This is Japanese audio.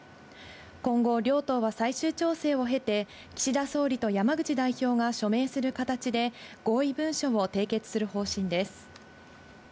今後、両党は最終調整を経て、岸田総理と山口代表が署名する形で、合意文書を締結する方針です。